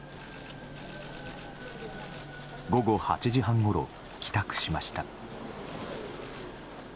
午後８時半ごろ帰宅しました。